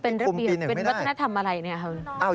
นี่มันเป็นวัฒนธรรมอะไรเนี่ย